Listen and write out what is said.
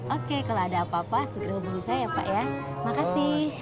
oke kalau ada apa apa segera hubungi saya ya pak ya makasih